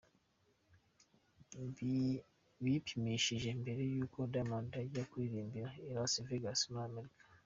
Bipimishije mbere y’uko Diamond ajya kuririmbira i Las Vegas muri Amerika.